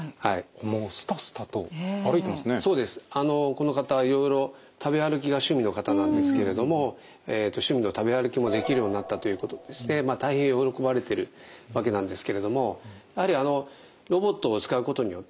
この方いろいろ食べ歩きが趣味の方なんですけれども趣味の食べ歩きもできるようになったということでですね大変喜ばれているわけなんですけれどもやはりロボットを使うことによってですね